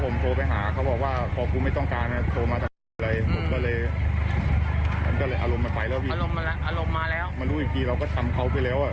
มารู้อีกทีเราก็ทำเขาไปแล้ว